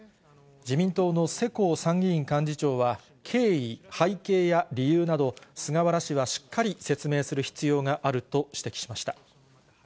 自民党の世耕参議院幹事長は、経緯、背景や理由など、菅原氏はしっかり説明する必要があると指摘しました。